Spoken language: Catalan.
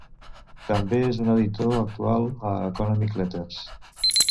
També és un editor actual a Economic Letters.